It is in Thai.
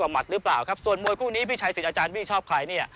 หมัดหรือเปล่าครับส่วนมวยคู่นี้พี่ชัยสิทธิอาจารย์บี้ชอบใครเนี่ย